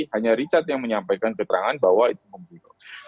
hanya richard yang menyampaikan keterangan bahwa itu membunuh